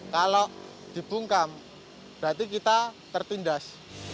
kalau dibungkam berarti kita tertindas